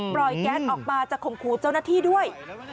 แก๊สออกมาจะข่มขู่เจ้าหน้าที่ด้วย